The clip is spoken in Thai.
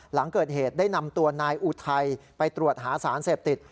หลังเกิดเหตุได้นำตัวนายอุทัยไปตรวจหาสารเสพติด